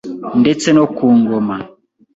ndetse no ku Ngoma